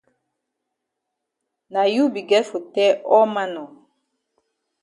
Na you be get for tell all man nor.